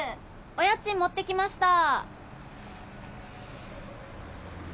お家賃持ってきました